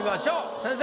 先生。